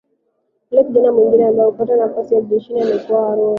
Yule kijana mwingine ambaye hakupata nafasi jeshini amekuwa huru kufanya shughuli zake